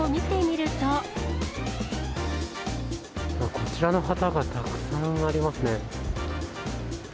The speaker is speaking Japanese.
こちらの旗がたくさんありますね。